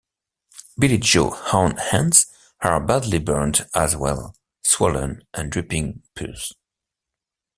Billie Jo's own hands are badly burned as well, swollen and dripping pus.